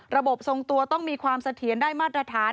ทรงตัวต้องมีความเสถียรได้มาตรฐาน